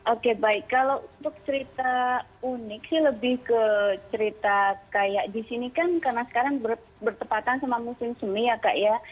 oke baik kalau untuk cerita unik sih lebih ke cerita kayak di sini kan karena sekarang bertepatan sama musim semi ya kak ya